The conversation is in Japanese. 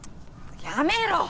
やめろ！